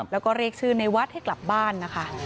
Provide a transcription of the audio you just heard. แล้วก็เรียกชื่อในวัดให้กลับบ้านนะคะ